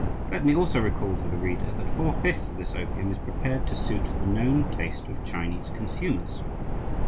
Let me also recall to the reader that four fifths of this opium is prepared to suit the known taste of Chinese consumers.